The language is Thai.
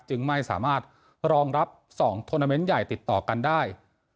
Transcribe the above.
จึงไม่สามารถรองรับ๒ทวนาเมนต์ใหญ่ติดต่อกันได้